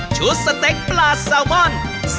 ๒ชุดสเต็กปลาสาวม่อน